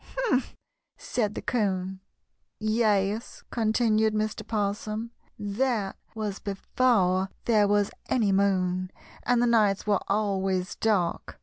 "Humph!" said the 'Coon. "Yes," continued Mr. 'Possum, "that was before there was any moon, and the nights were always dark.